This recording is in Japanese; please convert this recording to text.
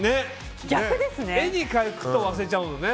絵に描くと忘れちゃうよね。